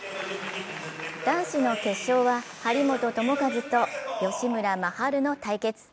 男子の決勝は張本智和と吉村真晴の対決。